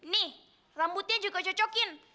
nih rambutnya juga cocokin